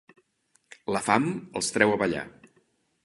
La fam els treu a ballar.